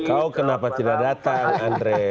kau kenapa tidak datang andre